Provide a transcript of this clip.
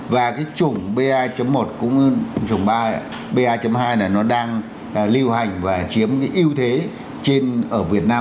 và cái chủng ba một cũng chủng ba hai này nó đang lưu hành và chiếm cái ưu thế trên ở việt nam